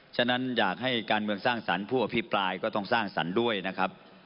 ฉะนั้นอยากให้การเมืองสร้างสรรค์ผู้อภิปรายก็ต้องสร้างสรรค์ด้วยนะครับ